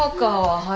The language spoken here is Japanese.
はい！